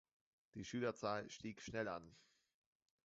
Die Schülerzahl stieg schnell an.